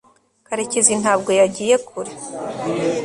karekezi ntabwo yagiye kure